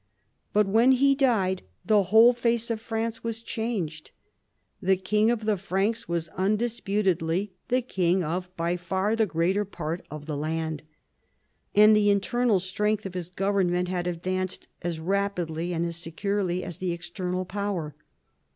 But when he died the whole face of France was changed. The king of the Franks was undisputedly the king of by far the greater part of the land. And the internal strength of his government had advanced as rapidly and as securely as the external power.